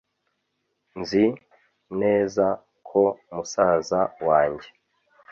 . Nzi neza ko musaza wange